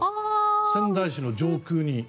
仙台市の上空に。